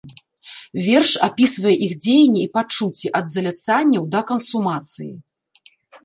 Верш апісвае іх дзеянні і пачуцці ад заляцанняў да кансумацыі.